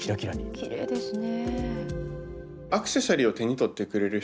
きれいですね。